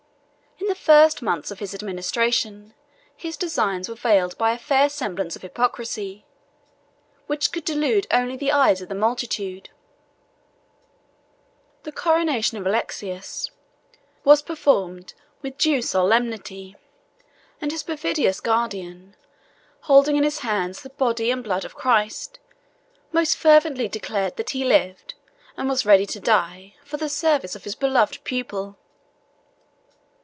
In the first months of his administration, his designs were veiled by a fair semblance of hypocrisy, which could delude only the eyes of the multitude; the coronation of Alexius was performed with due solemnity, and his perfidious guardian, holding in his hands the body and blood of Christ, most fervently declared that he lived, and was ready to die, for the service of his beloved pupil.